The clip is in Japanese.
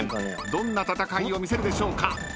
どんな戦いを見せるでしょうか？］